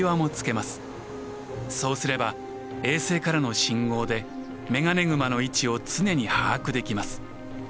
そうすれば衛星からの信号でメガネグマの位置を常に把握できます。